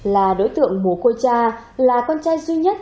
là đối tượng bố cô cha là con trai duy nhất